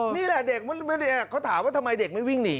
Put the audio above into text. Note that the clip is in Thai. นี่แหละเด็กเขาถามว่าทำไมเด็กไม่วิ่งหนี